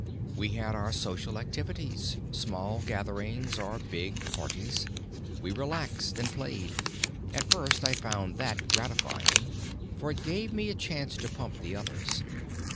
We had our social activities, small gatherings or big parties, we relaxed and played. At first I found that gratifying, for it gave me a chance to pump the others.